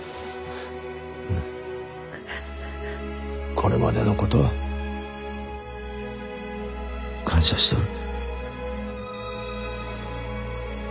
これまでのことは感謝しとる。